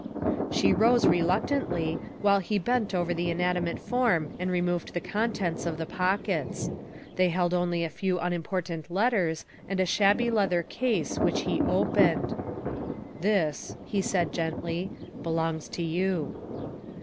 She rose reluctantly, while he bent over the inanimate form and removed the contents of the pockets. They held only a few unimportant letters and a shabby leather case, which he opened. " This," he said gently, " belongs to you."